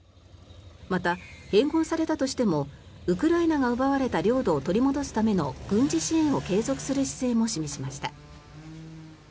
また、併合されたとしてもウクライナが奪われた領土を取り戻すための軍事支援を継続する姿勢も示しました。